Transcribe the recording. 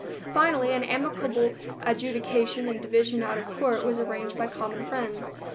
Finally an amicable adjudication and division out of court was arranged by common friends.